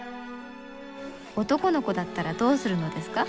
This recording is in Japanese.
「男の子だったらどうするのですか？」。